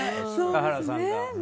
華原さんが。